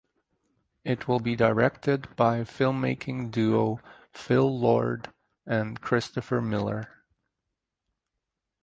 It will be directed by filmmaking duo Phil Lord and Christopher Miller.